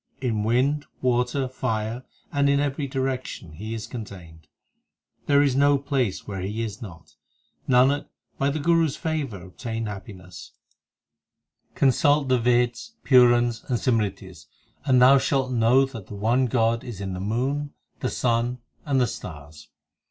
In wind, water, fire, And in every direction is He contained ; There is no place where He is not. Nanak, by the Guru s favour obtain happiness ; 3 Consult the Veds, Purans, and Simritis, and thou shalt know That the one God is in the moon, the sun, and the stars.